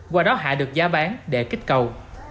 qua đó hạ được giá bán để kích cầu